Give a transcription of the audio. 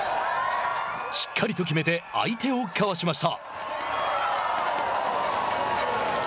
しっかりと決めて相手をかわしました。